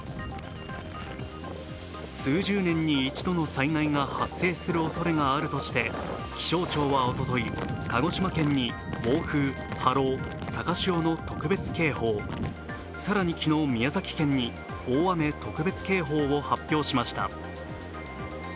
数十年に一度の災害が発生するおそれがあるとして、気象庁はおととい、鹿児島県に暴風、波浪、高潮の特別警報、更に昨日、宮崎県に大雨特別警報を発表しました。